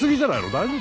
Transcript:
大丈夫？